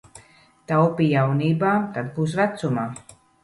Taupi jaunībā, tad būs vecumā.